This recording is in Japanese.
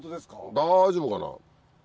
大丈夫かな？